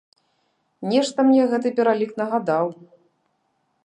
Нешта мне гэты пералік нагадаў.